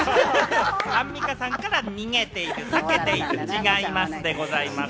アンミカさんから逃げている、避けている、違いますでございます。